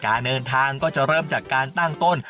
การเดินทางก็จะเริ่มจากการตั้งต้น